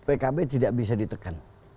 pkb tidak bisa ditekan